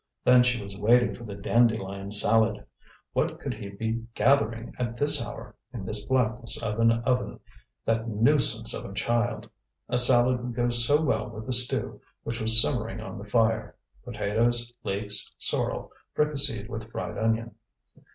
Then she was waiting for the dandelion salad. What could he be gathering at this hour, in this blackness of an oven, that nuisance of a child! A salad would go so well with the stew which was simmering on the fire potatoes, leeks, sorrel, fricasseed with fried onion.